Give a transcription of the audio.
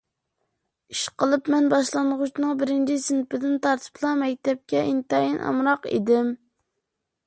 ئىشقىلىپ، مەن باشلانغۇچنىڭ بىرىنچى سىنىپىدىن تارتىپلا مەكتەپكە ئىنتايىن ئامراق ئىدىم.